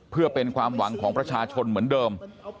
เพื่อเป็นความหวังของประชาชนเหมือนเดิม